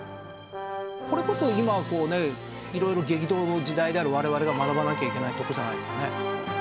これこそ今こうね色々激動の時代である我々が学ばなきゃいけないとこじゃないですかね。